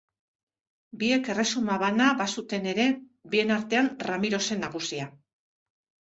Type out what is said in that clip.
Biek erresuma bana bazuten ere, bien artean Ramiro zen nagusia.